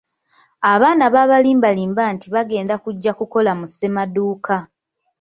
Abaana baabalimbalimba nti bagenda kujja kukola mu ssemaduuka.